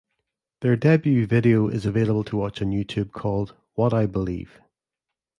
Their debut video is available to watch on YouTube called "What I believe".